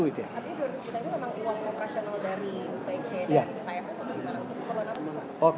tapi dua ratus juta itu memang uang lokasional dari pc dari pap sama dengan pembunuhan